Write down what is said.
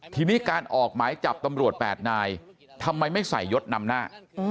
ทีนี้การออกหมายจับตำรวจ๘นายทำไมไม่ใส่ยดนำหน้า